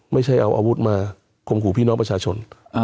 ไม่ใช่เอาอาวุธมาคงถูกภูมิพรีน้องประชาชน